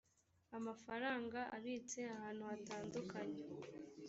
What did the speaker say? amafaranga abitse ahantu hatandukanye